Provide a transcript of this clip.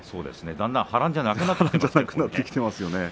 だんだん波乱じゃなくなってきてますよね。